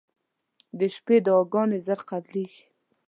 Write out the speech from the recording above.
• د شپې دعاګانې زر قبلېږي.